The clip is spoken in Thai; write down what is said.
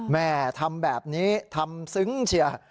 แม่ทำแบบนี้ทำซึ้งเชียร์